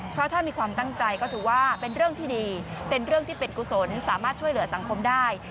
เพราะถ้ามีความตั้งใจก็ถือว่าเป็นเรื่องที่ดีเป็นเรื่องที่เป็นกุศลสามารถช่วยเหลือสังคมได้